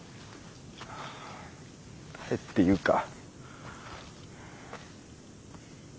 誰っていうか。